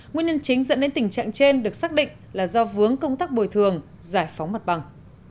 nguyên nhân chính dẫn đến tình trạng trên được xác định là do vướng công tác bồi thường giải phóng mặt bằng